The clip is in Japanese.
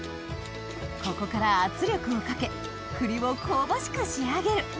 ここから圧力をかけ栗を香ばしく仕上げる